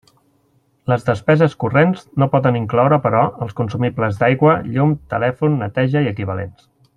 Les despeses corrents no poden incloure, però, els consumibles d'aigua, llum, telèfon, neteja i equivalents.